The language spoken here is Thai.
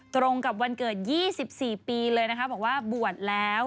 ตรงกับวันเกิด๒๔ปีเลยนะคะบอกว่าบวชแล้ว